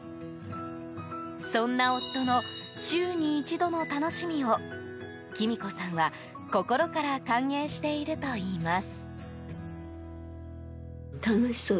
そんな夫の週に一度の楽しみを紀美子さんは心から歓迎しているといいます。